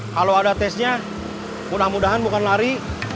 kalau ada tesnya mudah mudahan bukan lari